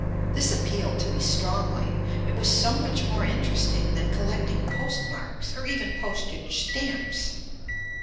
This appealed to me strongly. It was so much more interesting than collecting postmarks or even postage stamps.